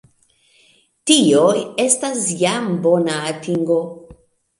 Tio estas jam bona atingo.